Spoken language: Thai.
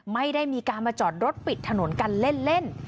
ไม่ได้มีการมาจอดรถปิดถนนกันเล่น